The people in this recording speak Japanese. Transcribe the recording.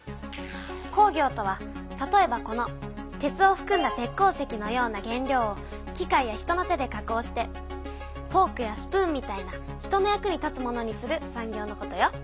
工業とは例えばこの鉄をふくんだ鉄鉱石のような原料を機械や人の手で加工してフォークやスプーンみたいな人の役に立つものにする産業のことよ。